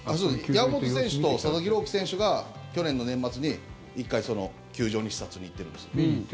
山本選手と佐々木朗希選手が去年の年末に１回球場に視察に行ってるんです。